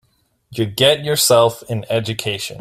You get yourself an education.